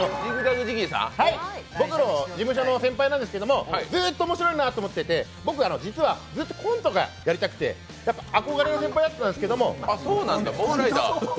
僕の事務所の先輩なんですけどずーっと面白いなと思っていて僕は実はずっとコントがやりたくて、憧れの先輩だったんですけど。